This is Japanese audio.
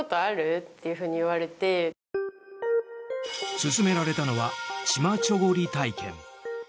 勧められたのはチマ・チョゴリ体験。